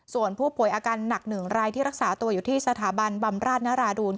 ส่วนผู้ป่วยอาการหนัก๑รายที่รักษาตัวอยู่ที่สถาบันบำราชนราดูล